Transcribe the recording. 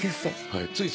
はい。